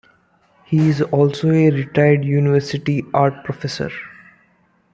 He is also a retired university art professor.